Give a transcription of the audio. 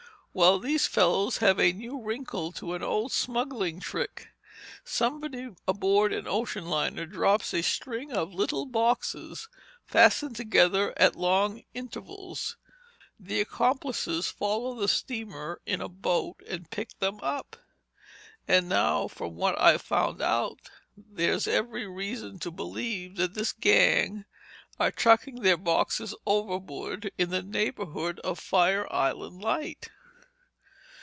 "Well, these fellows have a new wrinkle to an old smuggling trick. Somebody aboard an ocean liner drops a string of little boxes, fastened together at long intervals—the accomplices follow the steamer in a boat and pick them up. And now, from what I've found out, there's every reason to believe that this gang are chucking their boxes overboard in the neighborhood of Fire Island Light."